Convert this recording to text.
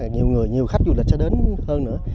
nhiều người nhiều khách du lịch sẽ đến hơn nữa